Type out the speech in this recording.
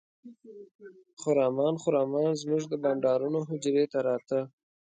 خرامان خرامان زموږ د بانډارونو حجرې ته راته.